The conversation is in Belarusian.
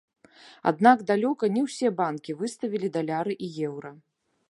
Аднак далёка не ўсе банкі выставілі даляры і еўра.